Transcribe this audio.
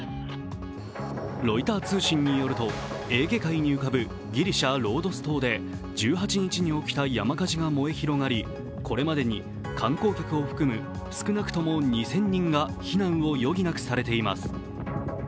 ロイター通信によるとエーゲ海に浮かぶギリシャ・ロードス島で１８日に起きた山火事が燃え広がりこれまでに観光客を含む少なくとも２０００人が避難を余儀なくされています。